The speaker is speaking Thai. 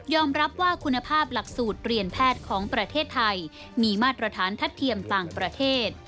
รับว่าคุณภาพหลักสูตรเรียนแพทย์ของประเทศไทยมีมาตรฐานทัดเทียมต่างประเทศ